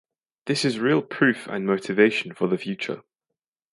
This is real proof and motivation for the future.